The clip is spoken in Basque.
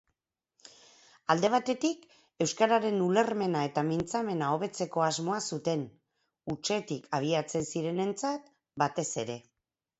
Alde batetik, euskararen ulermena eta mintzamena hobetzeko asmoa zuten; hutsetik abiatzen zirenentzat, batez ere.